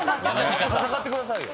戦ってくださいよ。